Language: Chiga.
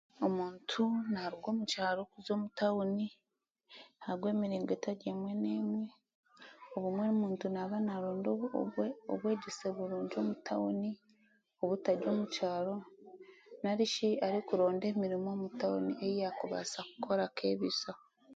Omuntu naaruga omu kyaro kuza omu tawuni ahabw'emiringo etari emwe n'emwe, obumwe omuntu naaba naaronda obu obwe obwegyese burungi omu tawuni obutari omu kyaro, narishi arikuronda emirimo omu tawuni ei yaakubaasa kukora akeebeisaho.